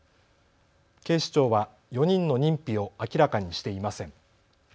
警視庁は４人の認否を明らかにしていません。